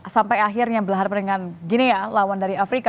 sampai akhirnya belahan dengan gini ya lawan dari afrika